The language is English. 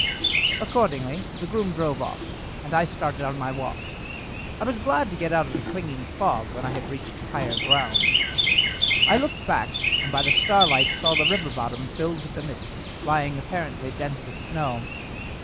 Accordingly the groom drove off, and I started on my walk. I was glad to get out of the clinging fog, when I reached higher ground. I looked back, and by the starlight saw the river bottom filled with the mist, lying apparently dense as snow.